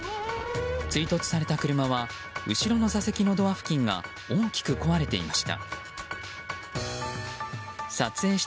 追突された車は後ろの座席のドア付近が大きく壊れていました。